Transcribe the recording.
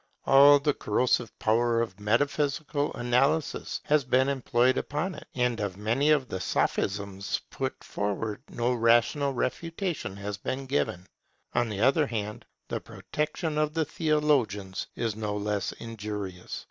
All the corrosive power of metaphysical analysis has been employed upon it; and of many of the sophisms put forward no rational refutation has been given. On the other hand, the protection of the theologians is no less injurious.